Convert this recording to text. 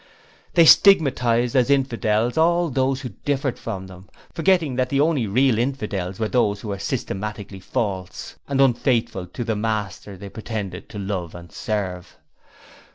They stigmatized as 'infidels' all those who differed from them, forgetting that the only real infidels are those who are systematically false and unfaithful to the Master they pretend to love and serve.